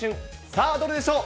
さあ、どれでしょう。